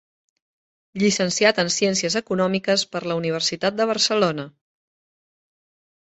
Llicenciat en Ciències Econòmiques per la Universitat de Barcelona.